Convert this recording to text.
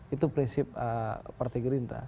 itu prinsip partai gerindra